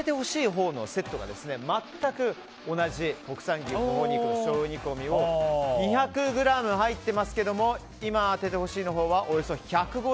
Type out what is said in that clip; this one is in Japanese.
ほうのセットが全く同じ国産牛ほほ肉の醤油煮込みを２００ｇ入っていますけども今、当ててほしいのはおよそ１５０ｇ。